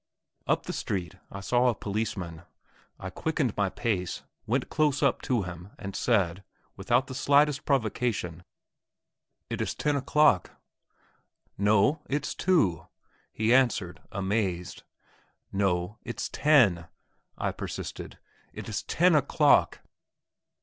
Up the street I saw a policeman. I quickened my pace, went close up to him, and said, without the slightest provocation, "It is ten o'clock." "No, it's two," he answered, amazed. "No, it's ten," I persisted; "it is ten o'clock!"